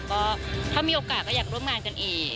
ก็ถ้ามีโอกาสก็อยากร่วมงานกันอีก